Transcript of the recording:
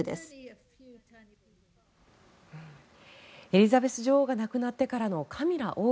エリザベス女王が亡くなってからのカミラ王妃。